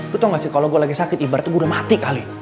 lu tau gak sih kalo gue lagi sakit ibarat gue udah mati kali